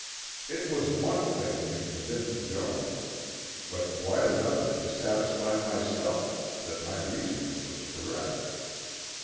It was one thing to convince Jones, but quite another to satisfy myself that my reasoning was correct.